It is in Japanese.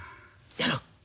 やろう。